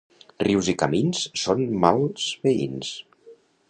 Rius i camins són mals veïns.